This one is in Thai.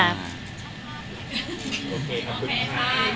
ขอบคุณค่ะ